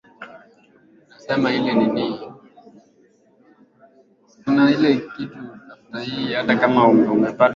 Hali halisi kuna namna nyingi kucheza soka hata pasipo na wachezaji ishirini na mbili